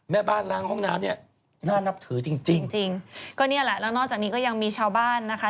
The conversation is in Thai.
แม่บ้านล้างห้องน้ำได้นอนวันละ๑ชั่วโมง